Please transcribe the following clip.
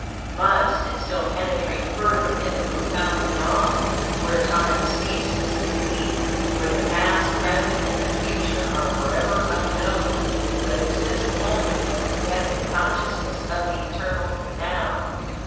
Must it still penetrate further in the profound beyond, where time ceases to be, where the past, present, and the future, are forever unknown, but exist only as the Deific consciousness of the eternal Now?